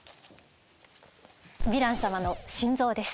ヴィラン様の心臓です。